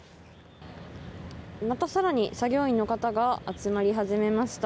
また更に作業員の方が集まり始めました。